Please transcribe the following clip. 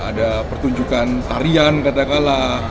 ada pertunjukan tarian katakanlah